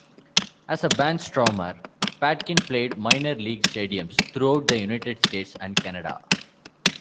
As a barnstormer, Patkin played minor league stadiums throughout the United States and Canada.